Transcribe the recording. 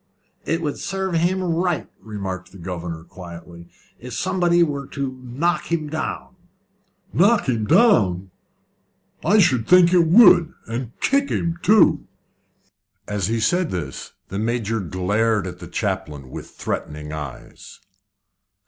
"It would serve him right," remarked the governor, quietly, "if somebody were to knock him down." "Knock him down! I should think it would and kick him too!" As he said this the Major glared at the chaplain with threatening eyes.